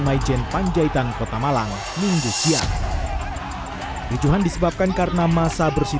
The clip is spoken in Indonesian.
maijen panjaitan kota malang minggu siang ricuhan disebabkan karena masa bersih